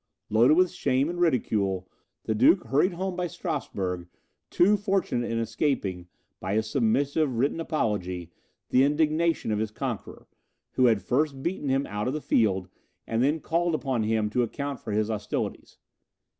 Loaded with shame and ridicule, the duke hurried home by Strasburg, too fortunate in escaping, by a submissive written apology, the indignation of his conqueror, who had first beaten him out of the field, and then called upon him to account for his hostilities.